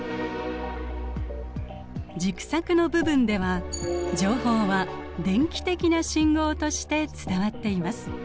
軸索の部分では情報は電気的な信号として伝わっています。